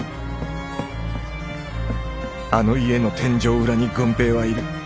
あの家の天井裏に「郡平」はいる。